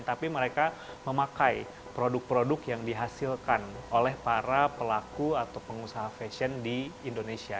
tapi mereka memakai produk produk yang dihasilkan oleh para pelaku atau pengusaha fashion di indonesia